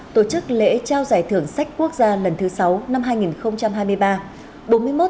tổ chức lễ trao giải thưởng sách quốc gia lần thứ sáu năm hai nghìn hai mươi ba